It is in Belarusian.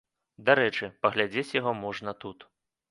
Дарэчы, паглядзець яго можна тут.